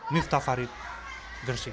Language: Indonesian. miftah farid gersik